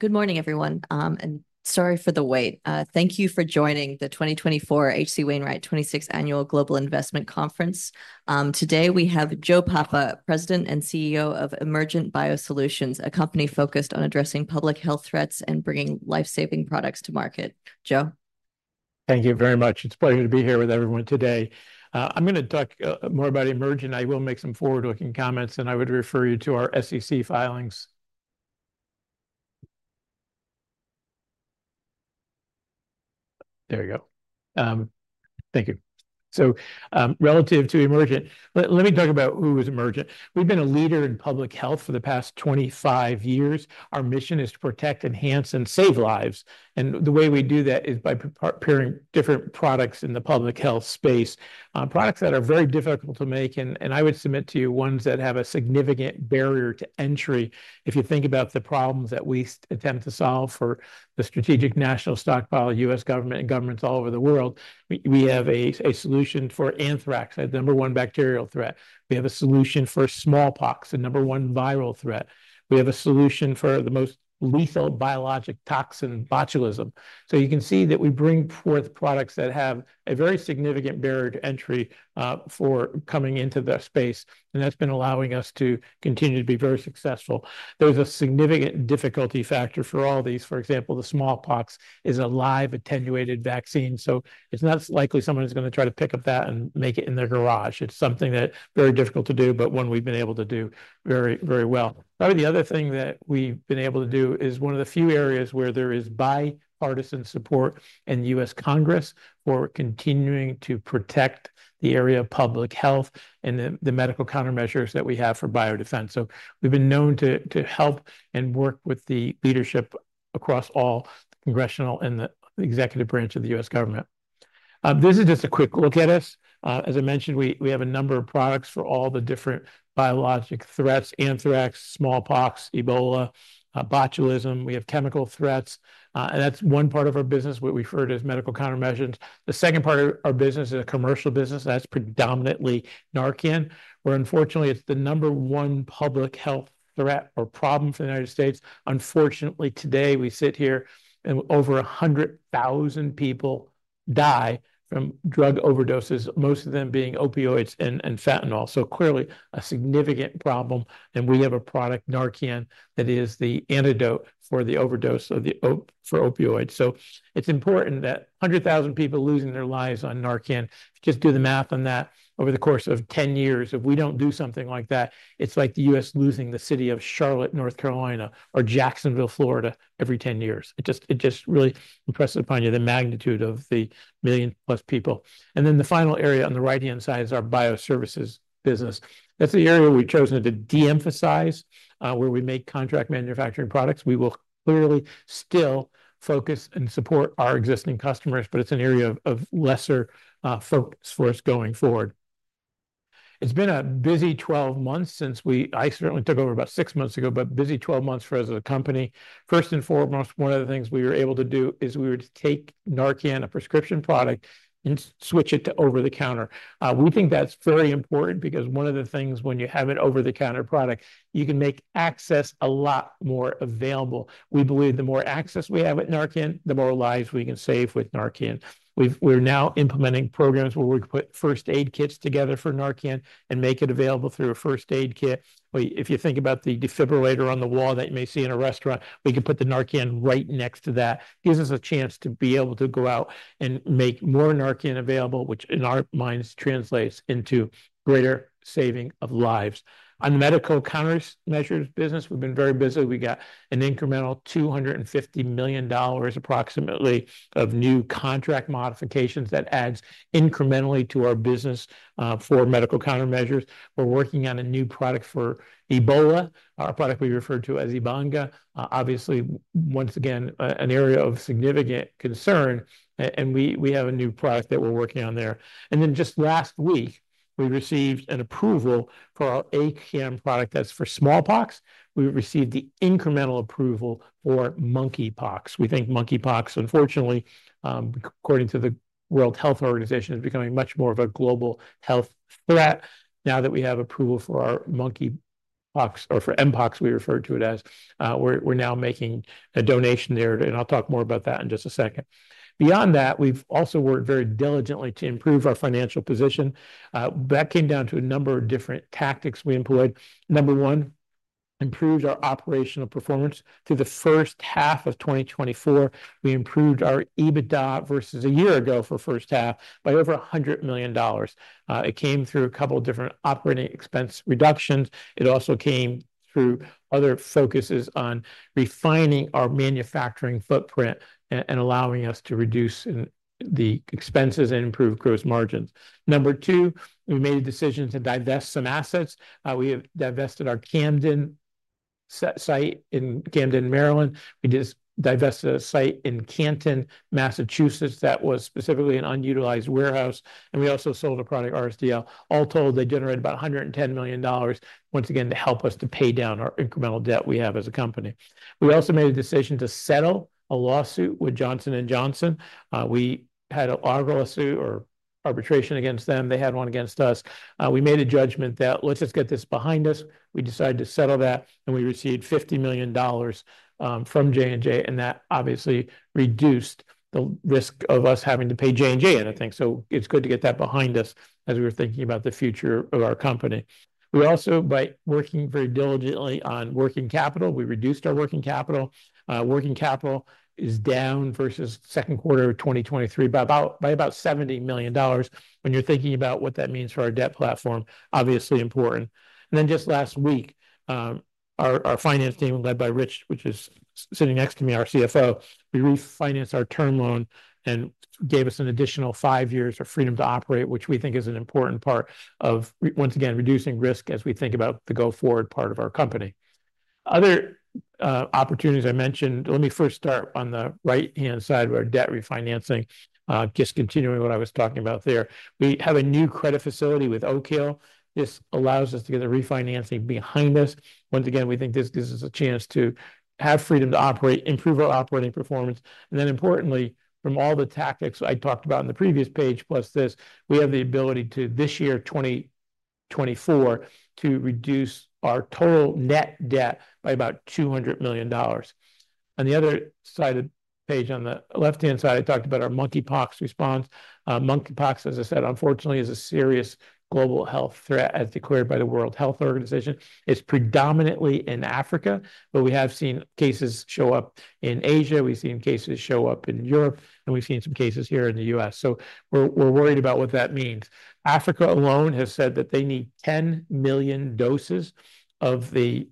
Good morning, everyone, and sorry for the wait. Thank you for joining the 2024 H.C. Wainwright 26th Annual Global Investment Conference. Today, we have Joe Papa, President and CEO of Emergent BioSolutions, a company focused on addressing public health threats and bringing life-saving products to market. Joe? Thank you very much. It's a pleasure to be here with everyone today. I'm gonna talk more about Emergent. I will make some forward-looking comments, and I would refer you to our SEC filings. There you go. Thank you. Relative to Emergent, let me talk about who is Emergent. We've been a leader in public health for the past 25 years. Our mission is to protect, enhance, and save lives, and the way we do that is by preparing different products in the public health space. Products that are very difficult to make, and I would submit to you, ones that have a significant barrier to entry. If you think about the problems that we attempt to solve for the Strategic National Stockpile, U.S. government, and governments all over the world, we have a solution for anthrax, the number one bacterial threat. We have a solution for smallpox, the number one viral threat. We have a solution for the most lethal biologic toxin, botulism. So you can see that we bring forth products that have a very significant barrier to entry for coming into the space, and that's been allowing us to continue to be very successful. There's a significant difficulty factor for all these. For example, the smallpox is a live attenuated vaccine, so it's not likely someone is gonna try to pick up that and make it in their garage. It's something that very difficult to do, but one we've been able to do very, very well. Probably the other thing that we've been able to do is one of the few areas where there is bipartisan support in the U.S. Congress for continuing to protect the area of public health and the medical countermeasures that we have for biodefense. So we've been known to help and work with the leadership across all congressional and the executive branch of the U.S. government. This is just a quick look at us. As I mentioned, we have a number of products for all the different biologic threats, anthrax, smallpox, Ebola, botulism. We have chemical threats, and that's one part of our business, what we refer to as medical countermeasures. The second part of our business is a commercial business, that's predominantly Narcan, where unfortunately, it's the number one public health threat or problem for the United States. Unfortunately, today, we sit here, and over a hundred thousand people die from drug overdoses, most of them being opioids and fentanyl, so clearly a significant problem. And we have a product, Narcan, that is the antidote for the overdose for opioids. So it's important that a hundred thousand people losing their lives on Narcan, just do the math on that. Over the course of ten years, if we don't do something like that, it's like the U.S. losing the city of Charlotte, North Carolina, or Jacksonville, Florida, every ten years. It just really impresses upon you the magnitude of the million-plus people. And then the final area on the right-hand side is our bioservices business. That's the area we've chosen to de-emphasize, where we make contract manufacturing products. We will clearly still focus and support our existing customers, but it's an area of lesser focus for us going forward. It's been a busy twelve months since I certainly took over about six months ago, but busy twelve months for us as a company. First and foremost, one of the things we were able to do is we were to take Narcan, a prescription product, and switch it to over-the-counter. We think that's very important because one of the things, when you have an over-the-counter product, you can make access a lot more available. We believe the more access we have with Narcan, the more lives we can save with Narcan. We're now implementing programs where we can put first aid kits together for Narcan and make it available through a first aid kit. If you think about the defibrillator on the wall that you may see in a restaurant, we can put the Narcan right next to that. Gives us a chance to be able to go out and make more Narcan available, which in our minds, translates into greater saving of lives. On medical countermeasures business, we've been very busy. We got an incremental $250 million, approximately, of new contract modifications that adds incrementally to our business for medical countermeasures. We're working on a new product for Ebola, a product we refer to as Ebanga. Obviously, once again, an area of significant concern, and we have a new product that we're working on there. And then, just last week, we received an approval for our ACAM product that's for smallpox. We received the incremental approval for Monkeypox. We think Monkeypox, unfortunately, according to the World Health Organization, is becoming much more of a global health threat. Now that we have approval for our Monkeypox, or for Mpox, we refer to it as, we're now making a donation there, and I'll talk more about that in just a second. Beyond that, we've also worked very diligently to improve our financial position. That came down to a number of different tactics we employed. Number one, improved our operational performance. Through the first half of twenty twenty-four, we improved our EBITDA versus a year ago for first half by over $100 million. It came through a couple of different operating expense reductions. It also came through other focuses on refining our manufacturing footprint and allowing us to reduce the expenses and improve gross margins. Number two, we made a decision to divest some assets. We have divested our Camden site in Camden, Maryland. We just divested a site in Canton, Massachusetts, that was specifically an unutilized warehouse, and we also sold a product, RSDL. All told, they generated about $110 million, once again, to help us to pay down our incremental debt we have as a company. We also made a decision to settle a lawsuit with Johnson & Johnson. We had our lawsuit or arbitration against them. They had one against us. We made a judgment that, "Let's just get this behind us." We decided to settle that, and we received $50 million from J&J, and that obviously reduced the risk of us having to pay J&J anything. So it's good to get that behind us as we were thinking about the future of our company. We also, by working very diligently on working capital, we reduced our working capital. Working capital is down versus second quarter of 2023 by about $70 million. When you're thinking about what that means for our debt platform, obviously important. And then, just last week, our finance team, led by Rich, which is sitting next to me, our CFO, we refinanced our term loan and gave us an additional five years of freedom to operate, which we think is an important part of once again reducing risk as we think about the go-forward part of our company. Other opportunities I mentioned, let me first start on the right-hand side where debt refinancing, just continuing what I was talking about there. We have a new credit facility with Oak Hill. This allows us to get the refinancing behind us. Once again, we think this gives us a chance to have freedom to operate, improve our operating performance, and then importantly, from all the tactics I talked about on the previous page, plus this, we have the ability to, this year, 2024, to reduce our total net debt by about $200 million. On the other side of the page, on the left-hand side, I talked about our Monkeypox response. Monkeypox, as I said, unfortunately, is a serious global health threat, as declared by the World Health Organization. It's predominantly in Africa, but we have seen cases show up in Asia, we've seen cases show up in Europe, and we've seen some cases here in the U.S. So we're worried about what that means. Africa alone has said that they need 10 million doses of the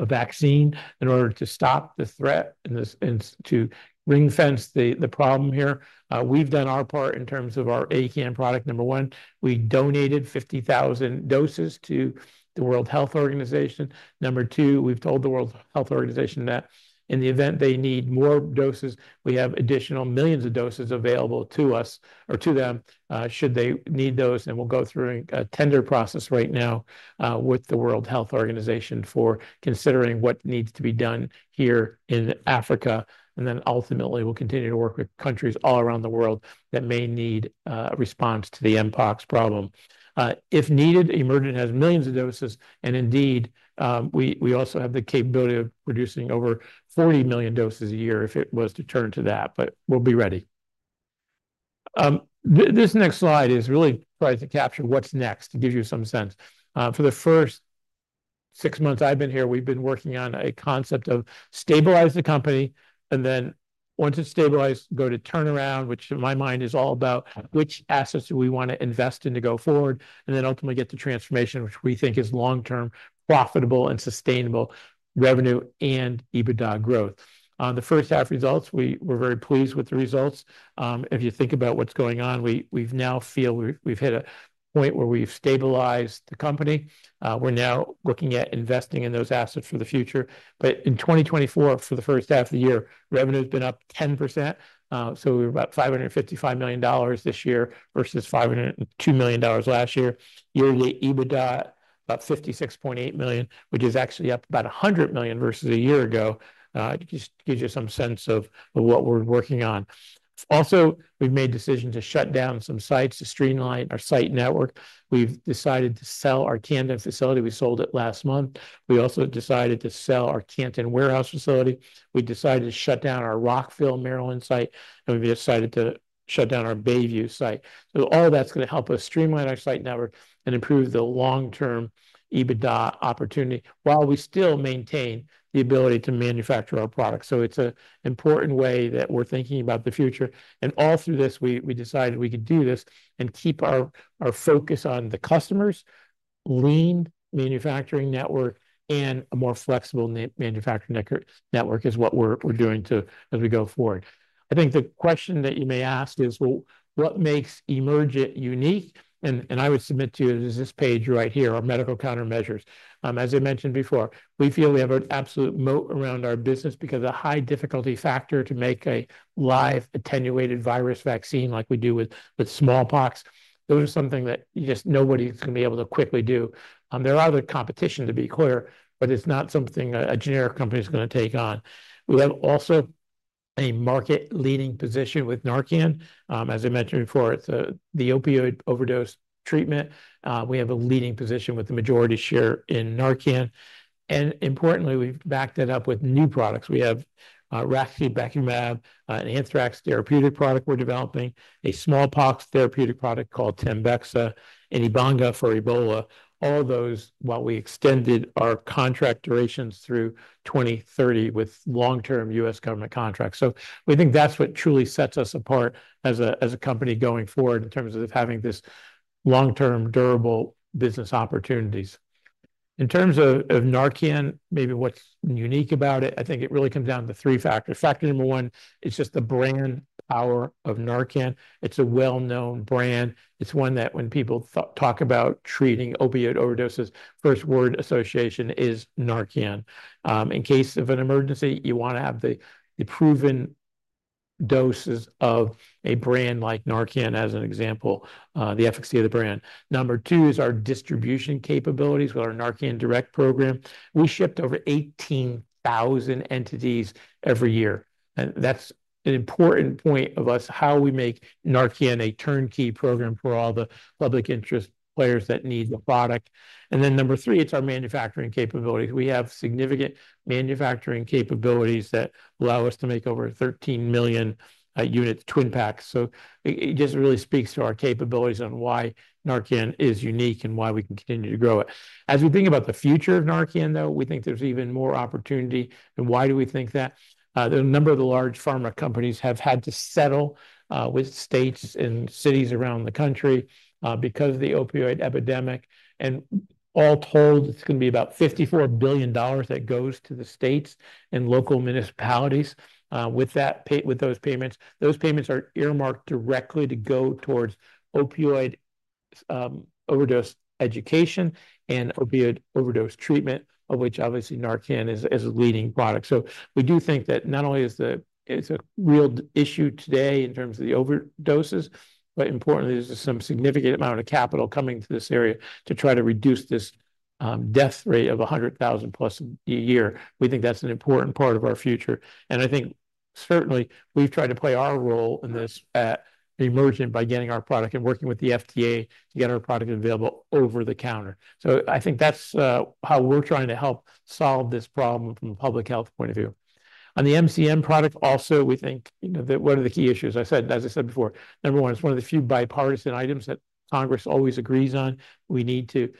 vaccine in order to stop the threat and to ring-fence the problem here. We've done our part in terms of our ACAM product. Number one, we donated 50,000 doses to the World Health Organization. Number two, we've told the World Health Organization that in the event they need more doses, we have additional millions of doses available to us or to them, should they need those, and we'll go through a tender process right now with the World Health Organization for considering what needs to be done here in Africa, and then ultimately, we'll continue to work with countries all around the world that may need a response to the Mpox problem. If needed, Emergent has millions of doses, and indeed, we also have the capability of producing over 40 million doses a year if it was to turn to that, but we'll be ready. This next slide is really trying to capture what's next, to give you some sense. For the first six months I've been here, we've been working on a concept of stabilize the company, and then once it's stabilized, go to turnaround, which in my mind is all about which assets do we want to invest in to go forward, and then ultimately get to transformation, which we think is long-term, profitable, and sustainable revenue and EBITDA growth. On the first half results, we were very pleased with the results. If you think about what's going on, we've now feel we've hit a point where we've stabilized the company. We're now looking at investing in those assets for the future. But in 2024, for the first half of the year, revenue's been up 10%, so we're about $555 million this year versus $502 million last year. Yearly EBITDA, about $56.8 million, which is actually up about $100 million versus a year ago. It just gives you some sense of what we're working on. Also, we've made decisions to shut down some sites to streamline our site network. We've decided to sell our Camden facility. We sold it last month. We also decided to sell our Canton warehouse facility. We decided to shut down our Rockville, Maryland, site, and we decided to shut down our Bayview site. All that's going to help us streamline our site network and improve the long-term EBITDA opportunity, while we still maintain the ability to manufacture our products. It's an important way that we're thinking about the future. All through this, we decided we could do this and keep our focus on the customers, lean manufacturing network, and a more flexible manufacturing network as what we're doing as we go forward. I think the question that you may ask is, "Well, what makes Emergent unique?" And I would submit to you, is this page right here, our medical countermeasures. As I mentioned before, we feel we have an absolute moat around our business because of the high difficulty factor to make a live attenuated virus vaccine like we do with smallpox. Those are something that just nobody's going to be able to quickly do. There are other competition, to be clear, but it's not something a generic company is going to take on. We have also a market-leading position with Narcan. As I mentioned before, it's the opioid overdose treatment. We have a leading position with the majority share in Narcan, and importantly, we've backed it up with new products. We have Raxibacumab, an anthrax therapeutic product we're developing, a smallpox therapeutic product called Tembexa, and Ebanga for Ebola. All those, while we extended our contract durations through twenty thirty with long-term U.S. government contracts. So we think that's what truly sets us apart as a company going forward in terms of having this long-term, durable business opportunities. In terms of Narcan, maybe what's unique about it, I think it really comes down to three factors. Factor number one, it's just the brand power of Narcan. It's a well-known brand. It's one that when people talk about treating opiate overdoses, first word association is Narcan. In case of an emergency, you want to have the proven doses of a brand like Narcan as an example, the efficacy of the brand. Number two is our distribution capabilities with our Narcan Direct program. We shipped over 18,000 entities every year. That's an important point of us, how we make Narcan a turnkey program for all the public interest players that need the product. Then number three, it's our manufacturing capabilities. We have significant manufacturing capabilities that allow us to make over 13 million units, twin packs. So it just really speaks to our capabilities on why Narcan is unique and why we can continue to grow it. As we think about the future of Narcan, though, we think there's even more opportunity. And why do we think that? A number of large pharma companies have had to settle with states and cities around the country because of the opioid epidemic, and all told, it's going to be about $54 billion that goes to the states and local municipalities. With those payments, those payments are earmarked directly to go towards opioid overdose education and opioid overdose treatment, of which obviously Narcan is a leading product. So we do think that not only is the, it's a real issue today in terms of the overdoses, but importantly, there's some significant amount of capital coming to this area to try to reduce this, death rate of a hundred thousand plus a year. We think that's an important part of our future, and I think certainly we've tried to play our role in this, Emergent by getting our product and working with the FDA to get our product available over-the-counter. So I think that's, how we're trying to help solve this problem from a public health point of view. On the MCM product also, we think, you know, that what are the key issues? I said, as I said before, number one, it's one of the few bipartisan items that Congress always agrees on. We need to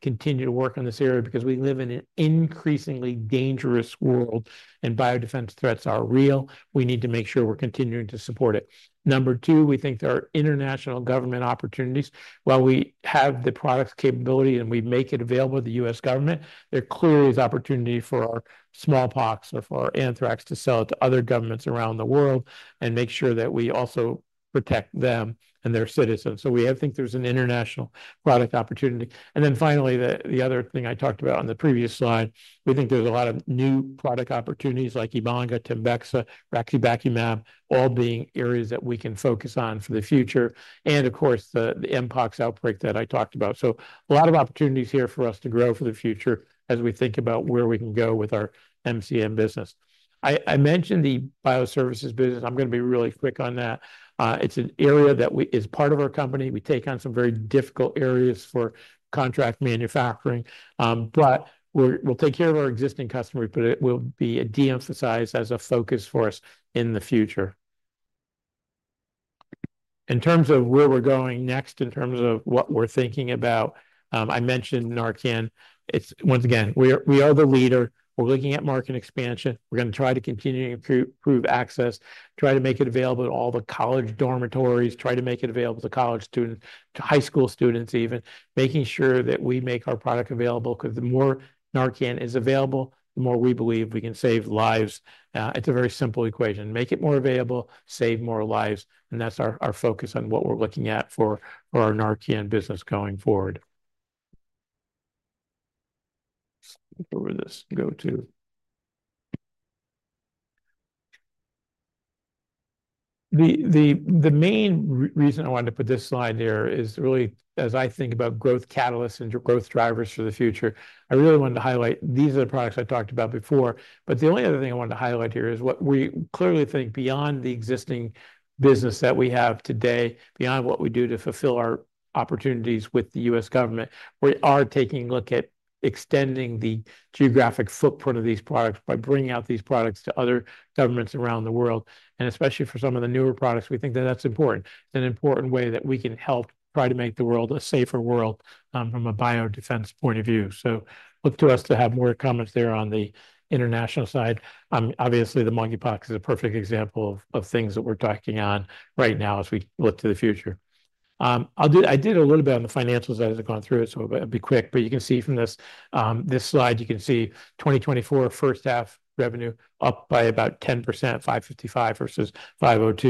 continue to work on this area because we live in an increasingly dangerous world, and biodefense threats are real. We need to make sure we're continuing to support it. Number two, we think there are international government opportunities. While we have the product's capability and we make it available to the U.S. government, there clearly is opportunity for our smallpox or for our anthrax to sell it to other governments around the world and make sure that we also protect them and their citizens. So we, I think there's an international product opportunity. And then finally, the other thing I talked about on the previous slide, we think there's a lot of new product opportunities like Ebanga, Tembexa, Raxibacumab, all being areas that we can focus on for the future, and of course, the Mpox outbreak that I talked about. So a lot of opportunities here for us to grow for the future as we think about where we can go with our MCM business. I mentioned the bioservices business. I'm going to be really quick on that. It's an area that is part of our company. We take on some very difficult areas for contract manufacturing, but we'll take care of our existing customers, but it will be a de-emphasized as a focus for us in the future. In terms of where we're going next, in terms of what we're thinking about, I mentioned Narcan. It's once again, we are the leader. We're looking at market expansion. We're going to try to continue to improve access, try to make it available to all the college dormitories, try to make it available to college students, to high school students even, making sure that we make our product available, because the more Narcan is available, the more we believe we can save lives. It's a very simple equation: make it more available, save more lives, and that's our focus on what we're looking at for our Narcan business going forward. Where would this go to? The main reason I wanted to put this slide here is really as I think about growth catalysts and growth drivers for the future. I really wanted to highlight. These are the products I talked about before, but the only other thing I wanted to highlight here is what we clearly think beyond the existing business that we have today, beyond what we do to fulfill our opportunities with the U.S. government. We are taking a look at extending the geographic footprint of these products by bringing out these products to other governments around the world, and especially for some of the newer products, we think that that's important. It's an important way that we can help try to make the world a safer world from a biodefense point of view. So look to us to have more comments there on the international side. Obviously, the monkeypox is a perfect example of things that we're talking on right now as we look to the future. I did a little bit on the financials as I've gone through it, so I'll be quick, but you can see from this slide, you can see 2024 first half revenue up by about 10%, $555 million versus $502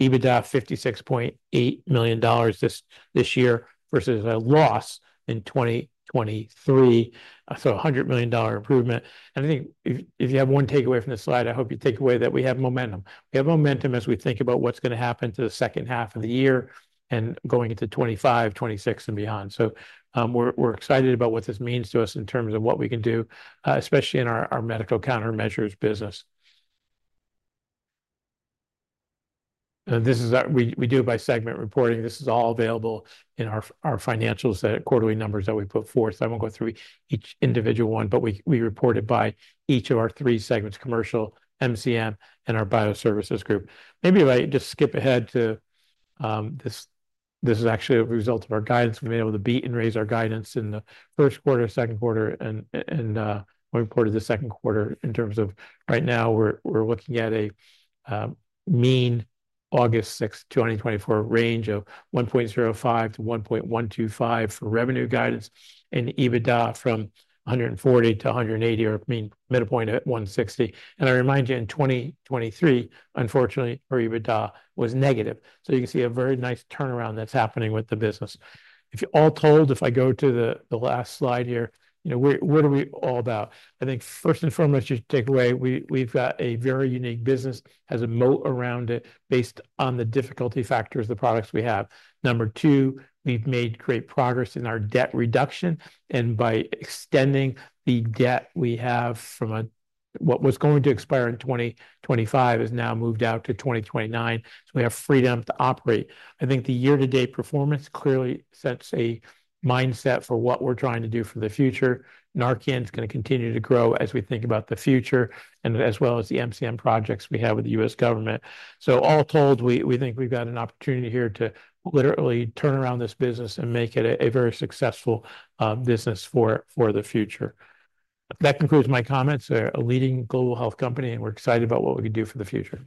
million, EBITDA $56.8 million this year versus a loss in 2023. So a $100 million improvement, and I think if you have one takeaway from this slide, I hope you take away that we have momentum. We have momentum as we think about what's going to happen to the second half of the year and going into 2025, 2026 and beyond. So, we're excited about what this means to us in terms of what we can do, especially in our medical countermeasures business. And this is our. We do it by segment reporting. This is all available in our financials, the quarterly numbers that we put forth. I won't go through each individual one, but we report it by each of our three segments, commercial, MCM, and our bioservices group. Maybe if I just skip ahead to this. This is actually a result of our guidance. We've been able to beat and raise our guidance in the first quarter, second quarter, and we reported the second quarter. In terms of right now, we're looking at as of August 6, 2024, range of $1.05-$1.125 for revenue guidance and EBITDA from $140-$180, or I mean, midpoint at $160. And I remind you, in 2023, unfortunately, our EBITDA was negative. So you can see a very nice turnaround that's happening with the business. If I go to the last slide here, you know, what are we all about? I think first and foremost, you take away, we've got a very unique business, has a moat around it based on the difficulty factors of the products we have. Number two, we've made great progress in our debt reduction, and by extending the debt we have from a what was going to expire in 2025 is now moved out to 2029, so we have freedom to operate. I think the year-to-date performance clearly sets a mindset for what we're trying to do for the future. Narcan is going to continue to grow as we think about the future and as well as the MCM projects we have with the U.S. government. So all told, we think we've got an opportunity here to literally turn around this business and make it a very successful business for the future. That concludes my comments. We're a leading global health company, and we're excited about what we can do for the future.